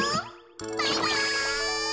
バイバイ！